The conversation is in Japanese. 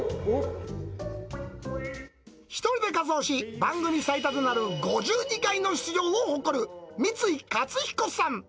１人で仮装し、番組最多となる５２回の出場を誇る三井勝彦さん。